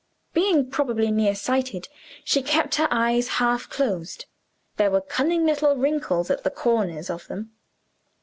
Being probably near sighted, she kept her eyes half closed; there were cunning little wrinkles at the corners of them.